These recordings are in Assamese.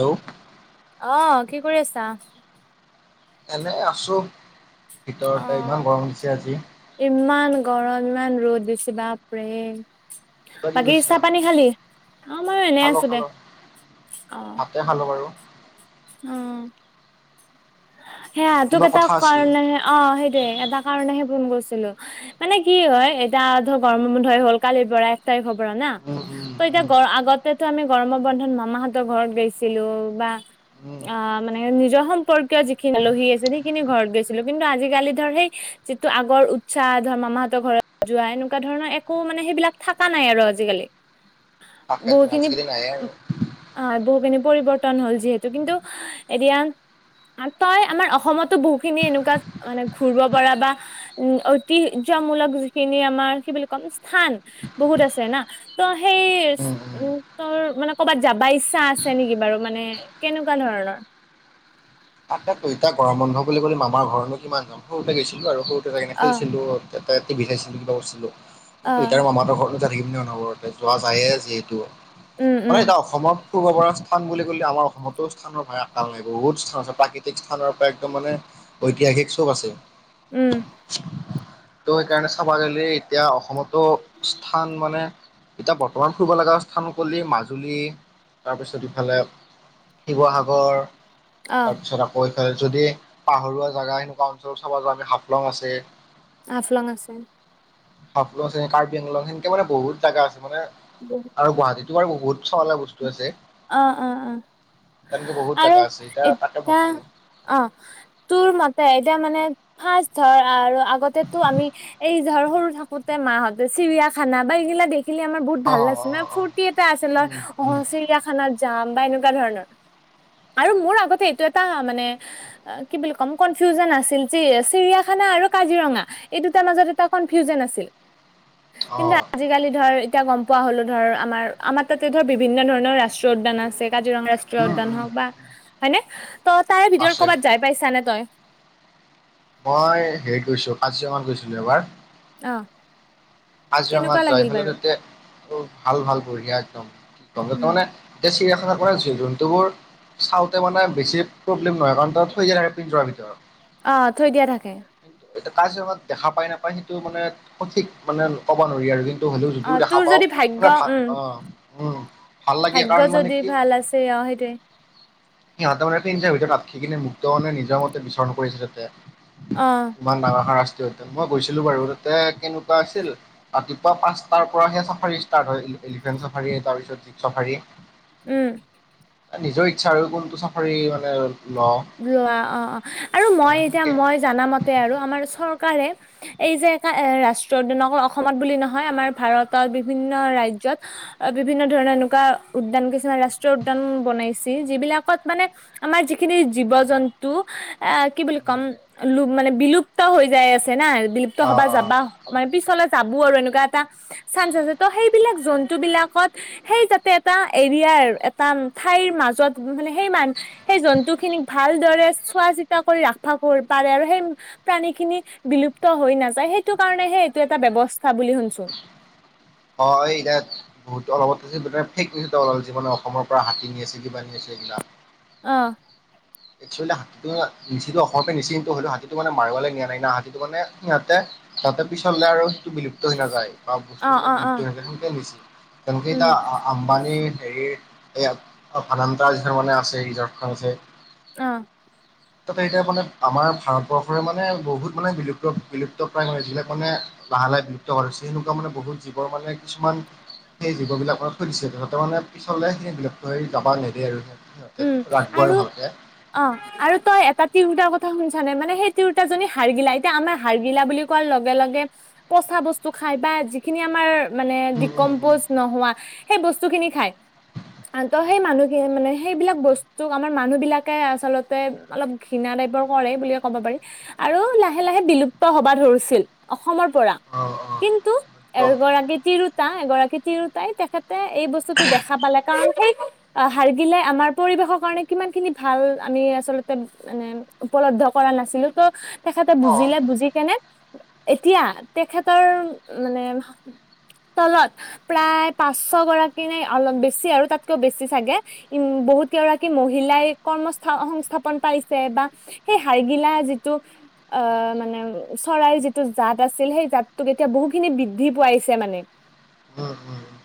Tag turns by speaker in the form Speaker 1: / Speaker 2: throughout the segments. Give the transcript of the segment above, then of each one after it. Speaker 1: হেল্ল।
Speaker 2: অঁ, কি কৰি আছা?
Speaker 1: এনে আছোঁ ভিতৰতে
Speaker 2: অ',
Speaker 1: ইমান গৰম দিছে আজি।
Speaker 2: ইমান গৰম ইমান ৰ'দ বেছি বা।
Speaker 1: তই কি
Speaker 2: বাকী
Speaker 1: কৰিছা?
Speaker 2: চাহ পানী খালি অঁ, ময়ো এনে আছো দে।
Speaker 1: হাতে খালো বাৰু।
Speaker 2: উম। সেয়া তোক
Speaker 1: কিবা
Speaker 2: এটা
Speaker 1: কথা আছিল
Speaker 2: কাৰণে অঁ, সেইটোয়ে এটা কাৰণে সে। ফোন গৈছিলো মানে কি হয় এতিয়া ধৰ গৰম বোধ হৈ হ'ল কালিৰ বৰা এক তাৰিখ হব। ন
Speaker 1: উম উম
Speaker 2: ত এতিয়া
Speaker 1: উম
Speaker 2: গৰ আগতকে। টো আমি গৰমৰ বন্ধত মামাহঁতৰ ঘৰত গৈছিলো বা।
Speaker 1: উম
Speaker 2: অ মানে নিজৰ সম্পৰ্কীয় যিখিনি আলহী আছিল সেইখিনি ঘৰত গৈছিলো কিন্তু আজিকালি ধৰ সেই যিটো আগৰ উৎসাহ ধৰ মামাহঁতৰ ঘৰত যোৱা এনেকুৱা ধৰণৰ একো মানে সেইবিলাক থকা নাই আৰু আজিকালি।
Speaker 1: তাকেতো
Speaker 2: বহুখিনি
Speaker 1: আজিকালি নাহে আৰু
Speaker 2: হয় বহুখিনি পৰিৱৰ্তন হ'ল যিহে কিন্তু এতিয়া তই আমাৰ অসমতো বহুতখিনি এনেকুৱা মানে ঘূৰিব পৰা বা উ ঐতিহ হ্যমূলক যিখিনি আমাৰ কি বুলি ক'ম, স্থান বহুত আছে না, ত হেই
Speaker 1: উম উম
Speaker 2: ৰ মানে ক'ৰবাত যাবা ইচ্ছা আছে নেকি বাৰু মানে কেনেকুৱা ধৰণৰ?
Speaker 1: তাকেটো ইতা গৰম বন্ধ বুলি ক'লে মামাৰ ঘৰনো কিমান যাম সৰুতে গৈছিলো আৰু সৰুতে থাক কিনে
Speaker 2: অ
Speaker 1: খেলছিলোয়া বিঠাইছিলো কিবা কৰিছিলোঁ, কিন্তু
Speaker 2: অ
Speaker 1: তাৰ মামাৰ ঘৰত নো যা থাকিবম ন ন ঘৰতে যোৱা যায়ে যিহেতু
Speaker 2: উম,
Speaker 1: মানে
Speaker 2: উম,
Speaker 1: এটা অসমৰ পূৰ্ব পৰা স্থান বুলি কলে আমাৰ অসমতো স্থানৰ ভাই আকাল নাই, বহুত স্থান আছে। প্ৰাকৃতিক স্থানৰ পৰা একদম মানে ঐতিহাসিক চব আছে।
Speaker 2: উম।
Speaker 1: ত' সেইকাৰণে চাবা গ'লে এতিয়া অসমতো স্থান মানে এতিয়া বৰ্তমান ফুৰিব লগা স্থান কলি মাজুলী, তাৰপিছত ইফালে শিৱসাগৰ
Speaker 2: অ',
Speaker 1: তাৰপিছত আকৌ এইফাল যদি পাহৰুৱা জেগা সেনেকুৱা অঞ্চল চাব যাওঁ আমি হাফলং আছে।
Speaker 2: আফলং আছে।
Speaker 1: আফলং আছে, কাৰ্বি-আংলং সেনেকে মানে বহুত জেগা আছে মানে আৰু গুৱাহাটীতো আৰু বহুত চলা বস্তু আছে।
Speaker 2: অ, অ, অ
Speaker 1: তেনেকে বহুত
Speaker 2: আৰু
Speaker 1: জেগা আছে এতিয়া তাকে
Speaker 2: ইতা,
Speaker 1: ভাবছো
Speaker 2: অ, তোৰ মতে এতিয়া মানে ফাচ ধৰ আৰু আগতেতো আমি এই ধৰ সৰু থাকোঁতে মাহঁতে চিৰিয়াখানা বা এইগিলা দেখ খিনি আমাৰ বহুত
Speaker 1: অ
Speaker 2: ভাল
Speaker 1: অ
Speaker 2: লাগিছিল
Speaker 1: অ
Speaker 2: না
Speaker 1: অ
Speaker 2: ফুৰ্তি এটা আছিল আৰু
Speaker 1: উম
Speaker 2: অ
Speaker 1: উম
Speaker 2: চিৰিয়া যাম বা এনেকুৱা ধৰণৰ। আৰু মোৰ আগতে এইটো এটা মানে কি বুলি ক কনফি চিৰিয়াখা আৰু কাজিৰঙা এই দুটাৰ মাজত এটা কনফিউজন আছিল।
Speaker 1: অ
Speaker 2: কিন্তু আজিকালি ধৰ এতিয়া গম পোৱা হলো ধৰ আমাৰ আমাৰ তাতে ধৰ বিভিন্ন ধৰণৰ ৰাষ্ট্ৰ উদ্যান আছে কাজিৰঙা ৰাষ্ট্ৰীয়
Speaker 1: উম
Speaker 2: উদ্যান
Speaker 1: উম
Speaker 2: হওক বা, হয়নে? ত তাৰে ভিতৰত
Speaker 1: আছে
Speaker 2: ক'বাত যাই পাইছানে তই?
Speaker 1: মই হেৰি কৈছোঁ কাজিৰঙাত গৈছিলো এবাৰ
Speaker 2: ন।
Speaker 1: কাজিৰঙাত যায় ফালে তাতে অ ভাল ভাল বঢ়িয়া একদম,
Speaker 2: উম
Speaker 1: তাৰমানে চিৰিয়াখা জন্তুবোৰ চাওঁতে মানে বেছি প্ৰব্লেম নহয় কাৰণ তাত থৈ যায় আৰু পিন্জৰাৰ ভিতৰত।
Speaker 2: অ, থৈ দিয়া থাকে।
Speaker 1: তু কাজিৰঙাত দেখা পায় নাপায় সেইটো মানে সঠিক মানে ক'ব নোৱাৰি আৰু কি হ'লেও যদিও
Speaker 2: অ
Speaker 1: দেখা
Speaker 2: তোৰ
Speaker 1: পাওঁ
Speaker 2: যদি ভাগ্য
Speaker 1: মানে ভাল,
Speaker 2: উম
Speaker 1: অ, উম ভাল লাগে
Speaker 2: ভাগ্য
Speaker 1: কাৰণ মানে
Speaker 2: যদি
Speaker 1: কি
Speaker 2: ভাল আছে, অ' সেইটোৱে।
Speaker 1: সিহঁতে মানে পিঞ্জৰাৰ ভিতৰত আতখি কিনে মুক্ত মনে নিজৰ মতে বিচৰণ কৰিছে তাতে।
Speaker 2: অ
Speaker 1: ইমান ডাঙৰ সাংস্কৃতিক অধ্যয়ন, মই গৈছিলোঁ বাৰু তাতে কিনো আছিল, ৰাতিপুৱা পাঁচটাৰ পৰাহে চাফাৰী ষ্টাৰ্ট হৈ এলিফেণ্ট চাফাৰী তাৰপিছত জীপ চাফাৰী।
Speaker 2: উম।
Speaker 1: নিজৰ ইচ্ছা আৰু কোনটো চাফাৰী মানে লওঁ
Speaker 2: লোৱা অ, অ, আৰু মই
Speaker 1: আহ
Speaker 2: এতিয়া
Speaker 1: সেনেকে
Speaker 2: মই জানামতে আৰু আমাৰ চৰকাৰে এই যে একা এ ৰাষ্ট্ৰ উদ্যানক অসমত বুলি নহয় আমাৰ ভাৰতত বিভিন্ন ৰাজ্যত বিভিন্ন ধৰণৰ এনেকুৱা উদ্যান কিছুমান ৰাষ্ট্ৰীয় উদ্যান বনাইছে যিবিলাকত মানে আমাৰ যিখিনি জীৱ-জন্তু আ কি বুলি ক'ম মানে বিলুপ্ত হৈ যাই আছে না বিলুপ্ত
Speaker 1: অ
Speaker 2: হ'বা যাবা মানে পিছ যাবো আৰু এনেকুৱা এটা চান্স আছে ত সেইবিলাক জন্তু বিলাকত সেই যাতে এটা এৰিয়াৰ এটা ঠাইৰ মাজত মানে সেই মান সেই জন্তুখিনিক ভালদৰে চোৱা চিতা কৰি ৰাখবা পাৰে আৰু সেই প্ৰাণী খিনি বিলুপ্ত হৈ নাযায় সেইটোকাৰণেহে এইটো এটা ব্যৱস্থা বুলি শুনছো।
Speaker 1: হয় এতিয়া বহুত অলপত আ ফেক নিল জিমানে অসমৰ পৰা হাতী নি আছিল কিবা নি আছিল। [inaudible]
Speaker 2: অঁ।
Speaker 1: একচোৱেলি হাতীটো নিচিটো অসমৰে নিচি কিন্তু হ'লেও হাতীটো মানে মাৰিবলৈ নিয়া নাই না হাতীটো মানে সিহঁতে তাতে পিছৰলে আৰু ই বিলুপ্ত হৈ নাযায়। বা
Speaker 2: অ অ
Speaker 1: বস্তুবিলাক
Speaker 2: অ
Speaker 1: লুপ্ত হৈ তেকে নিছিল তেওঁলোকে
Speaker 2: উম
Speaker 1: এতিয়া আম্বানীৰ হেৰি এইয় ফান্তাৰ মানে আছে ঝাৰখ আছে।
Speaker 2: আহ।
Speaker 1: তাতে এতিয়া মানে আমাৰ ভাৰতবৰ্ষৰে মানে বহুত মানে বিলুপ্ত বিলুপ্ত প্ৰায়ণ মানে যিবিলাক মানে লাহে-লাহে বিলুপ্ত [unintelligible] মানে বহুত জীৱৰ মানে কিছুমান সেই জীৱ বিলাকক থৈ দিছে সিহঁতে মানে পিছলে সেই [unintelligible] থৈ যাবা নেদে আৰু। ৰাখিব আৰু ভালকে।
Speaker 2: অ' আৰু তই এটা তিৰোতাৰ কথা শুনছানে মানে সেই তিৰোতাজনি হাৰ্গিলা, এতিয়া আমাৰ হাৰ্গিলা বুলি কোৱা লগে-লগে পচা বস্তু খায় বা যিখিনি আমাৰ মানে
Speaker 1: উম উম উম
Speaker 2: ডিকম্পজ নহোৱা সেই বস্তু খিনি খায়। ত' সেই মানুহখিন মানে, সেইবিলাক বস্তুক আমাৰ মানুহ বিলাকে আচলতে অলপ ঘৃণা টাইপৰ কৰে বুলিয়ে ক'ব পাৰি। আৰু লাহে-লাহে বিলুপ্ত হবা ধৰিছিল অসমৰ পৰা।
Speaker 1: অ', অ',
Speaker 2: কিন্তু,
Speaker 1: একদম
Speaker 2: এগৰাকী তিৰোতা এগৰাকী তিৰোতাই তেখেতে এই বস্তুটো দেখা পালে। কা কাৰণ সেই হাৰ্গি গিলে আমাৰ পৰিৱেশৰ কাৰণে কিমান খিনি ভাল আমি আচলতে মানে উপলব্ধ কৰা নাছিলো। ত' তেখেতে
Speaker 1: অ',
Speaker 2: বুজিলে বুজি কেনে এতিয়া তেখেতৰ মানে, তলত প্ৰায় পাঁচশ গৰাকী নে, অলপ বেছি আৰু তাতকেও বেছি চাগে। উম, বহুত কেইগৰাকী মহিলাই কৰ্মস্থ-সংস্থাপন পাইছে বা সেই হাৰ্গিলা যিটো অ' মানে চৰাইৰ যিটো জাত আছিল সেই জাতটোক এতিয়া বহুখিনি বৃদ্ধি পোৱাইছে। মানে,
Speaker 1: উম,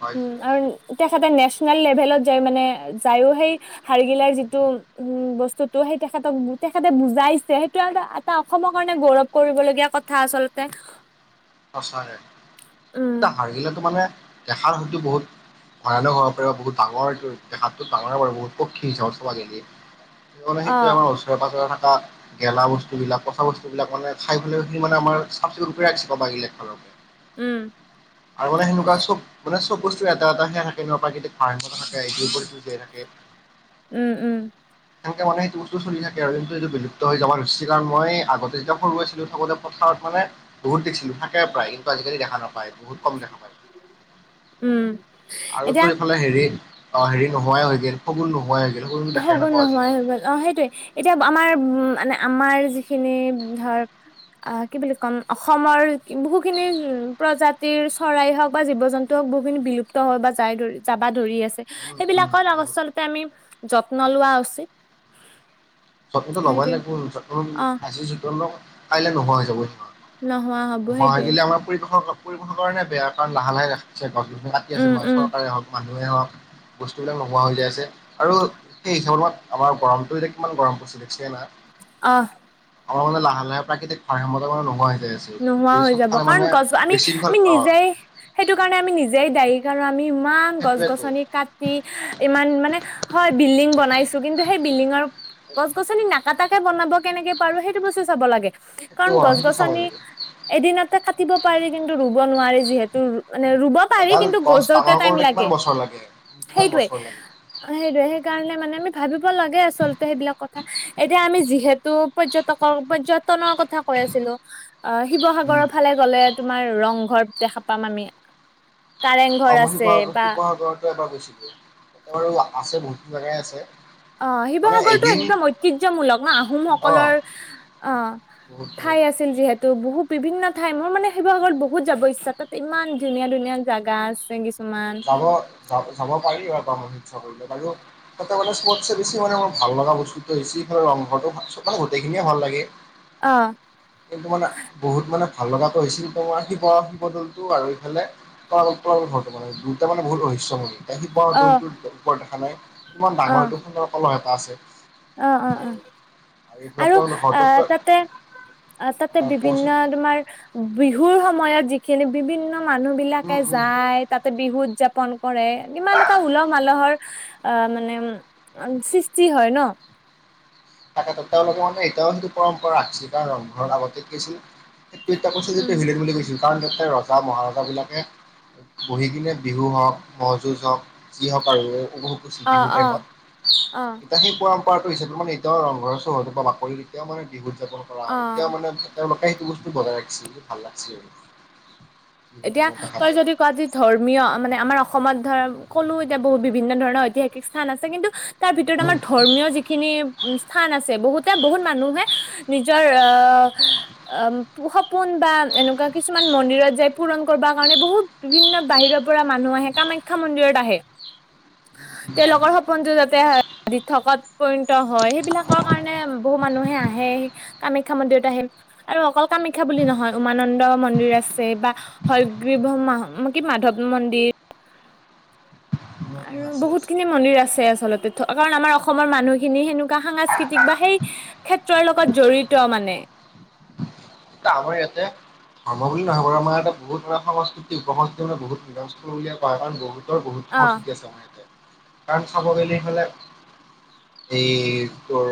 Speaker 1: পাইছো
Speaker 2: উম,
Speaker 1: পাইছো
Speaker 2: আৰু তেখেতে নেচনেল লেভেলত যাই মানে যায়ো, সেই হাৰ্গিলাৰ যিটো উম বস্তুতো সেই তেখেতক তেখেতে বুজাইছে। সেইটো [unintelligible] এটা অসমৰ কাৰণে গৌৰৱ কৰিবলগীয়া কথা আচলতে।
Speaker 1: সঁচাকে,
Speaker 2: উম
Speaker 1: এটা হাৰ্গিলাটো মানে দেখাৰ হয়তো বহুত ভয়ানক হ'ব পাৰে, বা বহুত ডাঙৰ দেখাত ডাঙৰ প বহুত পক্ষী [unintelligible]
Speaker 2: অ
Speaker 1: [unintelligible] আমাৰ ওচৰে-পাজৰে অহা। গেলা বস্তু বিলাক পচা বস্তু বিলাক মানে চাৰিওফালে সেই মানে আমাৰ চাফ চিকুণ ৰাখি [unintelligible] একফালৰ পৰা
Speaker 2: উম
Speaker 1: আগতে সেনেকুৱা চব মানে চব বস্তু এটা এটা সেয়া থাকে ন প্ৰাকৃতিক ভাৰসাম্য থাকে, ইটোৰ ওপৰত ইটো জীয়াই থাকে
Speaker 2: উম উম
Speaker 1: সেনেকে মানে সেইটো বস্তু চল থাকে আৰু কিন্তু এইটো বিলুপ্ত হৈ যাব খুইছে কাৰণ মই আগতে যেতিয়া সৰু আছিলো থাকোতে পথাৰত মানে বহুত দিখছিলো থাকে প্ৰায় কিন্তু আজিকালি দেখা নাপায় বহুত কম দেখা পায়
Speaker 2: উম
Speaker 1: আৰু
Speaker 2: এতিয়া
Speaker 1: তোৰ এইফালে হেৰি অ হেৰি নোৱাই হৈ গেল শগুণ নোহোৱাই গ'ল শগুনটো দেখাই
Speaker 2: শগুন
Speaker 1: নাপাওঁ
Speaker 2: নোহোৱাই
Speaker 1: আজিকালি
Speaker 2: হৈ গল অ সেইটোয়ে এতিয়া আমাৰ উম মানে আমাৰ যিখিনি ধৰ আ কি বুলি ক'ম অসমৰ বহুখিনি উ প্ৰজাতিৰ চৰাই হওক বা জীৱ জন্তু হওক বহুখিনি বিলুপ্ত হয় বা যাই যাবা ধৰি আছ ছে
Speaker 1: উম উম
Speaker 2: সেইবিলাকৰ
Speaker 1: বহুত
Speaker 2: আচলতে আমি যত্ন লোৱা উচিত
Speaker 1: যত্নটো ল'বই
Speaker 2: সেইটোয়ে
Speaker 1: লাগিব যত্ন
Speaker 2: অ
Speaker 1: আজি যতন লঙ কাইলে নোহোৱা হৈ যাবই
Speaker 2: নোহোৱা হব সেইটোয়ে
Speaker 1: মাগিলে আমাৰ পৰিৱেশক পৰিেশৰ কাৰণে বেয়া কাৰণ লাহে লাহে ৰাখছে গছ কাটি আছে
Speaker 2: উম উম
Speaker 1: চৰকাৰে হও মানুহ মানুহে হওক বস্তুবিলাক নোহোৱা হৈ যায় আছে আৰু সেই হিচাপ লগত আমাৰ গৰমটো এতিয়া কিমান গৰম পৰিছে দেখছিনা
Speaker 2: অহ
Speaker 1: আমাৰ মানে লাহে লাহে প্ৰাকৃতিক ভাৰসাম্যতা মানে নহয় হৈ যাই আছে
Speaker 2: নোহোৱা
Speaker 1: গোটেই
Speaker 2: হৈ যাব
Speaker 1: চবফালে
Speaker 2: কাৰণ
Speaker 1: মানে
Speaker 2: গছ আমি
Speaker 1: বিশৃংখল
Speaker 2: আমি
Speaker 1: অ
Speaker 2: নিজেই সেইটো কাৰণে আমি নিজেই দায়ী কাৰ আমি ইমান গছ
Speaker 1: সেইটোৱেতো
Speaker 2: গছনি কাটি ইমান মানে হয় বিল্ডিং বনাইছো কিন্তু সেই বিল্ডিঙৰ গছ গছনি নাকাটাকে বনাব কেনেকে পাৰো সেইটো বস্তু চাব লাগে
Speaker 1: সেইটো
Speaker 2: কাৰণ
Speaker 1: অ
Speaker 2: গছ
Speaker 1: সেইটো চাব
Speaker 2: গছনি
Speaker 1: লাগে
Speaker 2: এদিনতে কাটিব পাৰি কিন্তু ৰুব নোৱাৰি যিহেতু মানে ৰুব পাৰি কিন্তু গছ ডালতে টাইম
Speaker 1: একমান
Speaker 2: লাগে
Speaker 1: বছৰ লাগে কিমান
Speaker 2: সেইটোৱে
Speaker 1: বছৰ লাগে
Speaker 2: অ সেইটোয়ে সেইকাৰণে মানে আমি ভাবিব লাগে আচলতে সেইবিলাক কথা এতিয়া আমি যিহে তু এইটো পৰ্যটকৰ পৰ্যটনৰ কথা কৈ আছিলো অ
Speaker 1: উম
Speaker 2: শিৱসাগৰৰ ফালে গ'লে তোমাৰ ৰংঘৰ দেখা পাম আমি কাৰেং ঘৰ
Speaker 1: অ মই
Speaker 2: আছে
Speaker 1: শিৱসাগ
Speaker 2: বা
Speaker 1: শিৱসাগৰতো এবাৰ গৈছিলো এ বাৰু আছে বহুতো জেগাই আছে।
Speaker 2: অ
Speaker 1: মানে
Speaker 2: শিৱসাগৰটো
Speaker 1: এদিন
Speaker 2: একদম ঐতিহ্যমূলক ন
Speaker 1: অ
Speaker 2: আহোমসকলৰ অ
Speaker 1: বহুত
Speaker 2: ঠাই
Speaker 1: বহুত
Speaker 2: আছিল যিহে ত' বহুত বিভিন্ন ঠাই মোৰ মানে সেইবোৰ আগত বহুত যাব ইচ্ছা তাত ইমান ধুনীয়া ধুনীয়া জাগা আছে কিছুমান
Speaker 1: যাব যাব যাব পাৰি আৰু কৰিলো সৱটছে বেছি মানে মোৰ ভাল লগা বস্তুত বেছি গোটেইখিনিয়ে ভাল লাগে
Speaker 2: অ
Speaker 1: কিন্তু মানে বহুত মানে ভাল লগাটো হৈছিল তোমাৰ শিৱ শিৱদ'লটো আৰু এইফালে তল তল ঘৰটো মানে দুইটা মানে বহুত ৰহস্যময়ী
Speaker 2: অ
Speaker 1: শিৱদৌলটোৰ ওপৰত দেখা নাই? ইমান
Speaker 2: অ
Speaker 1: ডাঙৰ এইটো সুন্দৰ কলহ এটা আছে।
Speaker 2: অ অ অ
Speaker 1: এইফালে
Speaker 2: আৰু
Speaker 1: তলাতল ঘৰটো
Speaker 2: আহ
Speaker 1: পুৰা
Speaker 2: তাতে অ তাতে বিভিন্ন
Speaker 1: কোৱাচোন
Speaker 2: তোমাৰ বিহুৰ সময় সময়ত যিখিনি বিভিন্ন মানুহ
Speaker 1: উম
Speaker 2: বিলাকে
Speaker 1: উম
Speaker 2: যায় তাতে বিহু উদযাপ পন কৰে ইমান এটা উলহ মালহৰ অ মানে সৃষ্টি হয় ন।
Speaker 1: তাকেত তেওঁলোকৰ মানে এতিয়াও সেইটো পৰম্পৰা ৰাখিছিল সেইটো এতিয়া যিটো
Speaker 2: উম
Speaker 1: হিলেন বুলি কৈছিলো কাৰণ তাতে ৰজা মহাৰজাবিলাকে বহি কিনে বিহু হওক ম'হ যুঁজ হওক যি হওক আৰু উপভোগ কৰিছিল
Speaker 2: অ
Speaker 1: বিহু
Speaker 2: অ
Speaker 1: টাইমত
Speaker 2: অ
Speaker 1: এতিয়া সেই পৰম্পৰাটো হিচাপে মানে তেওঁ ৰংঘৰ চৰ ঘৰ পৰা বাকৰি তেতিয়াও মানে বিহু উদযাপন কৰা হয়
Speaker 2: অ
Speaker 1: এতিয়াও মানে তেওঁলোকে সেইটো বস্তু বজাই ৰাখছি ভাল লাগছি আৰু বিহু
Speaker 2: এতিয়া
Speaker 1: টাইমত দেখা
Speaker 2: তই
Speaker 1: পায়।
Speaker 2: যদি কোৱা য ধৰ্মীয় মানে আমাৰ অসমত ধৰ ক'লো এতিয়া বহুত বিভিন্ন ধৰণৰ ঐতিহাসিক স্থান আছে কিন্তু তাৰ ভিতৰত
Speaker 1: উম,
Speaker 2: আমাৰ ধৰ্মীয় যিখিনি স্থান আছে বহুতে বহুত মানুহে নিজৰ অ উ প পোন বা এনেকুৱা কিছুমান মন্দিৰত যায় পূৰণ কৰ কাৰণে বহুত বিভিন্ন বাহিৰৰ পৰা মানুহ আহে কামাখ্যা মন্দিৰত আহে তেওঁলোকৰ সপোন দিথকত পৰিণত হয় সেইবিলাকৰ কাৰণে বহু মানুহে আহে কামাখ্যা ম দেউত আহিম আৰু অকল কামাখ্যা বুলি নহয় উমানন্দ মন্দিৰ আছে বা হয়গ্ৰীব্ৰ্ম ম কি মাধৱ মন্দিৰ আৰু
Speaker 1: আছে
Speaker 2: বহুত
Speaker 1: আছে।
Speaker 2: খিনি মন্দিৰ আছে আচলতে কাৰণ আমাৰ অসমৰ মানুহখিনি সেনেকা সাংস্কৃতিক বা সেই ক্ষেত্ৰৰ লগত জড়িত মানে
Speaker 1: তামৰি এতে ধৰ্ম বুলি নহয় বাৰু আম ইয়াতেহু ধৰ সংস্কৃতি উপস্তি মানেহত নস্ বুলিয় কয় কাৰণ বহুত ৰ বহুত
Speaker 2: অ
Speaker 1: সংস্কৃতি আছে আমাৰ ইয়াতে কাৰণ চাব গ'লে হ'লে এই কৰ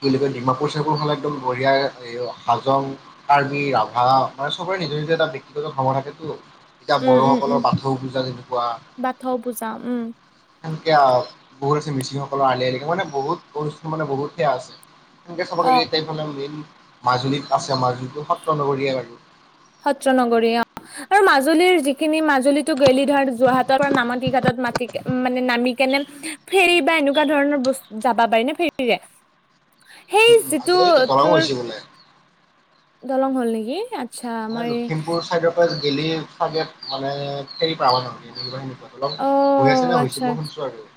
Speaker 1: কিনেকে ডিমাপুৰ চবোৰ হ'লে একদম বৰিয়াৰ এই হাজং কাৰ্বি ৰাভা মানে চবৰে নিজৰ নিজে এটা ব্যক্তিগত খাৱৰ থাকেতো এতিয়া
Speaker 2: উম উম
Speaker 1: বড়োসকলৰ
Speaker 2: উম
Speaker 1: বাথৌ পূজা তেনেকুৱা
Speaker 2: বাথৌ পূজা উম
Speaker 1: সনেকে বহুত আছে মিচিংসকলৰ আলি আই লৃগাং মানে বহুত বস্তু মানে বহুত সেয়া আছে সনেকে চাব
Speaker 2: অ
Speaker 1: গ'লে এইফালে মেইন মাজুলীত আছে মাজুলীটো সত্ৰ নগৰীয় বাৰু।
Speaker 2: সত্ৰ নগৰীয়া আৰু মাজুলীৰ যিখিনি মাজুলীতো গেলি ধৰ যোৰহাটৰ পৰা নামাতি ঘাটত মাতি মানে নামি কেনে ফেৰী বা এনেকুৱা ধৰণৰ বস্তু যাবা পাৰি না ফেৰীৰে? সেই যিটো
Speaker 1: আজিকালি দলং
Speaker 2: তোৰ
Speaker 1: হৈছে বোলে
Speaker 2: দলং হ'ল নেকি? আচ্ছা
Speaker 1: মানে
Speaker 2: মই
Speaker 1: লখিমপুৰ চাইডৰ পৰা গেলি চাগে মানে ফেৰি পাবা নালগে [unintelligible] হেল্ল'
Speaker 2: অ
Speaker 1: হৈ আছে নে হৈছে
Speaker 2: আচ্ছা
Speaker 1: মই শুনছো আৰু।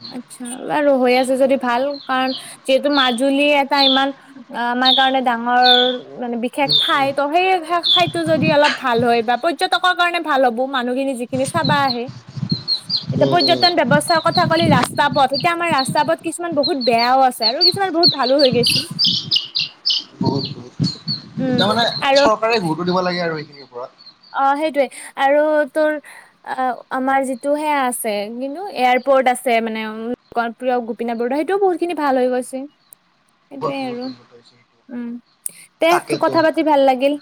Speaker 1: উম
Speaker 2: আচ্ছা বাৰু হৈ আছে যদি ভাল কাৰণ যিহেতু মাজুলী এটা ইমান অ', আমাৰ কাৰণে ডাঙৰ মানে বিশেষ
Speaker 1: উম
Speaker 2: ঠাই
Speaker 1: উম।
Speaker 2: ত সেই খাইটো যদি অলপ ভাল হয় বা পৰ্যটকৰ কাৰণে ভাল হ'ব। মানুহখিনি যিখিনি চাবা আহে, এতিয়া
Speaker 1: উম, উম,
Speaker 2: পৰ্যটন ব্যৱস্থা [unintelligible] ৰাস্তা পথ এতিয়া আমাৰ ৰাস্তা পথ কিছুমান বহুত বেয়াও আছে আৰু কিছুমান বহুত ভালো হৈ গেছি [inaudible]
Speaker 1: বহুত বহুত, এতিয়া মানে
Speaker 2: আৰু
Speaker 1: চৰকাৰে গুৰুত্ব দিব লাগে আৰু এইখিনিৰ ওপৰত।
Speaker 2: অ' সেইটোৱে আৰু তোৰ আমাৰ যিটো সেয়া আছে কিন্তু এয়াৰ এয়াৰপ'ৰ্ট আছে মানে লোকপ্ৰিয় গোপীনাথ বৰদৈ সেইটো বহুত খিনি ভাল হৈ গৈছে।
Speaker 1: বহুত
Speaker 2: সেইটোৱে
Speaker 1: বহুত
Speaker 2: আৰু
Speaker 1: উন্নত হৈছে। সেইটো।
Speaker 2: উম, তে
Speaker 1: তাকেতো
Speaker 2: কথা পাতি ভাল লাগিল।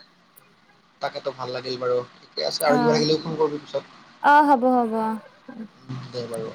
Speaker 1: তাকেতো ভাল লাগিল বাৰু। ঠিকে আছে আৰু
Speaker 2: অ
Speaker 1: কিবা থাকিলে ফোন কৰবি পিছত।
Speaker 2: অ হ'ব হ'ব অ
Speaker 1: দে বাৰু অ,